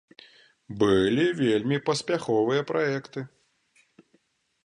Былі вельмі паспяховыя праекты.